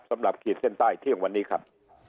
สำหรับขีดเส้นใต้ที่ของวันนี้ครับ